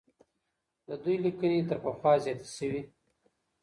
د دوی ليکنې تر پخوا زياتې سوې.